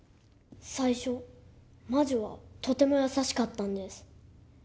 最初魔女はとても優しかったんです。